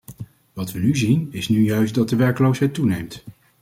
Wat we nu zien is nu juist dat de werkloosheid toeneemt.